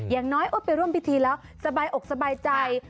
อย่างน้อยไปร่วมพิธีแล้วสบายอกสบายใจ